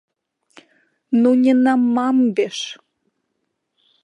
Ну не на мамбе ж!